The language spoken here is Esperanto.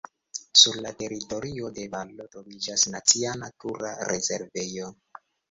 Sur la teritorio de valo troviĝas nacia natura rezervejo.